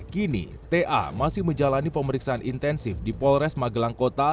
kini ta masih menjalani pemeriksaan intensif di polres magelang kota